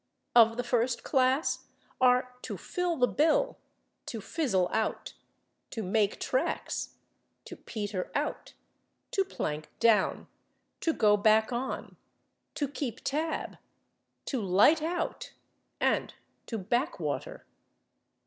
Of the first class are /to fill the bill/, /to fizzle out/, /to make tracks/, /to peter out/, /to plank down/, /to go back on/, /to keep tab/, /to light out/ and /to back water